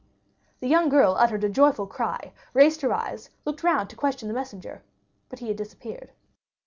The young girl uttered a joyful cry, raised her eyes, looked round to question the messenger, but he had disappeared.